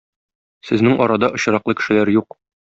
Сезнең арада очраклы кешеләр юк.